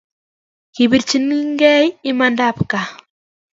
Kipirchinigei imandab kaa